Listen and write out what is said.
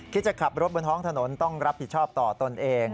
จะขับรถบนท้องถนนต้องรับผิดชอบต่อตนเอง